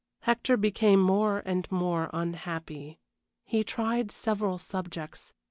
Hector became more and more unhappy. He tried several subjects.